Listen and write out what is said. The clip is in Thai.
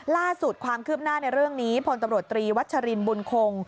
ล่าสุดความคืบหน้าในเรื่องนี้พลตำรวจตรีวัชรินบุญคง